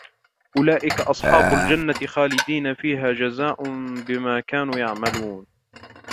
أُولَئِكَ أَصْحَابُ الْجَنَّةِ خَالِدِينَ فِيهَا جَزَاءً بِمَا كَانُوا يَعْمَلُونَ